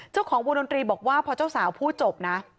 เจ้าของวงดนตรีบอกว่าพอเจ้าสาวพูดจบนะ